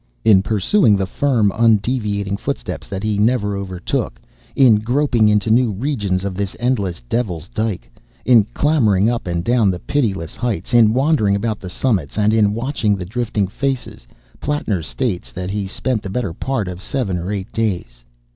In pursuing the firm, undeviating footsteps that he never overtook, in groping into new regions of this endless devil's dyke, in clambering up and down the pitiless heights, in wandering about the summits, and in watching the drifting faces, Plattner states that he spent the better part of seven or eight days.